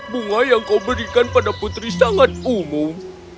bunga yang kau berikan pada putri sangat umum